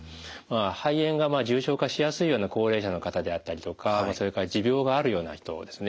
肺炎が重症化しやすいような高齢者の方であったりとかそれから持病があるような人ですね